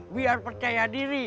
biar percaya diri